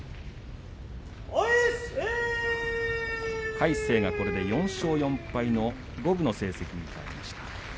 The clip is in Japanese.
魁聖がこれで４勝４敗の五分の成績になりました。